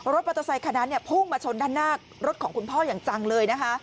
รถมัตตาไซขนาดพุ่งมาชนด้านหน้ารถของคุณพ่ออย่างจังเลย